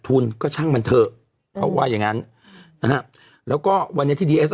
ขอบคุณนะครับขอบคุณนะครับขอบคุณนะครับ